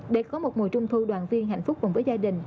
để có một mùa trung thu đoàn viên hạnh phúc cùng với gia đình